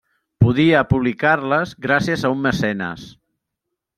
Podia publicar-les gràcies a un mecenes.